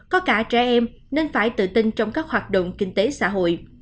có cả trẻ em nên phải tự tin trong các hoạt động kinh tế xã hội